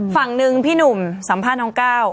ฝั่งหนึ่งพี่หนุ่มสัมภาษณ์น้องก้าว